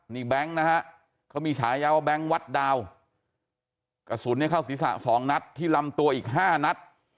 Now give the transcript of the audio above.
นี่แบงค์นะฮะเขามีฉายาว่าแบงค์วัดดาวกระสุนเนี่ยเข้าศีรษะ๒นัดที่ลำตัวอีก๕นัด